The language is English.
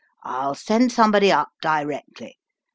I'll send somebody up directly.